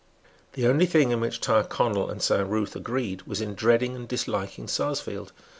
The only thing in which Tyrconnel and Saint Ruth agreed was in dreading and disliking Sarsfield.